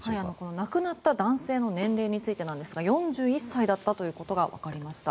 亡くなった男性の年齢についてなんですが４１歳だったということが分かりました。